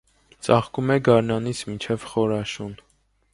Ծաղկում է գարնանից մինչև խոր աշուն։